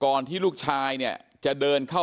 เป็นมีดปลายแหลมยาวประมาณ๑ฟุตนะฮะที่ใช้ก่อเหตุ